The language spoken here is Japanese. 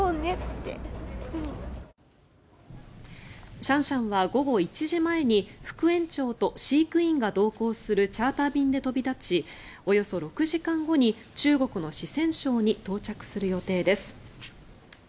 シャンシャンは午後１時前に副園長と飼育員が同行するチャーター便で飛び立ちおよそ６時間後に中国の四川省に到着する予定です。